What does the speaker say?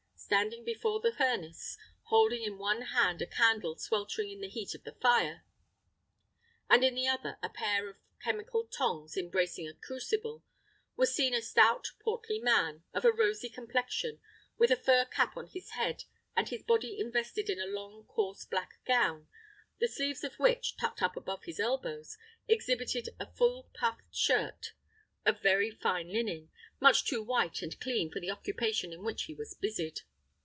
Standing before the furnace, holding in one hand a candle sweltering in the heat of the fire, and in the other a pair of chemical tongs embracing a crucible, was seen a stout portly man, of a rosy complexion, with a fur cap on his head, and his body invested in a long coarse black gown, the sleeves of which, tucked up above his elbows, exhibited a full puffed shirt of very fine linen, much too white and clean for the occupation in which he was busied.